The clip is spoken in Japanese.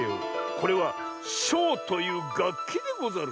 これは「しょう」というがっきでござる。